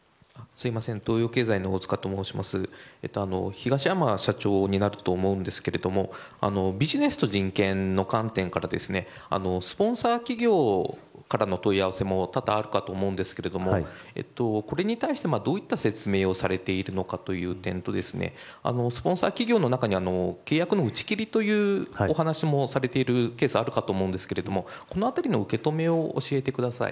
東山社長になると思うんですがビジネスと人権の観点からスポンサー企業からの問い合わせも多々あるかと思いますがこれに対してどういった説明をされているのかという点とスポンサー企業の中に契約の打ち切りというお話もされているケースもあるかと思いますがこの辺りの受け止めを教えてください。